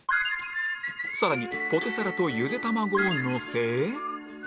更にポテサラとゆで卵をのせ